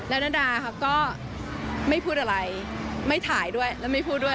แล้วนาดาค่ะก็ไม่พูดอะไรไม่ถ่ายด้วยแล้วไม่พูดด้วย